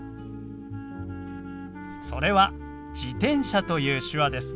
それは「自転車」という手話です。